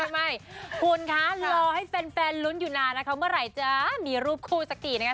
ไม่คุณคะรอให้แฟนลุ้นอยู่นานนะคะเมื่อไหร่จะมีรูปคู่สักทีนะคะ